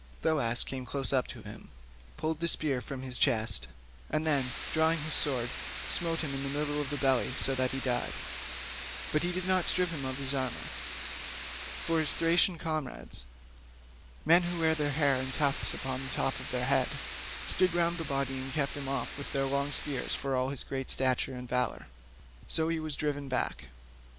Thoas came close up to him, pulled the spear out of his chest, and then drawing his sword, smote him in the middle of the belly so that he died; but he did not strip him of his armour, for his Thracian comrades, men who wear their hair in a tuft at the top of their heads, stood round the body and kept him off with their long spears for all his great stature and valour; so he was driven back.